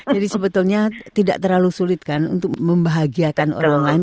jadi sebetulnya tidak terlalu sulit kan untuk membahagiakan orang lain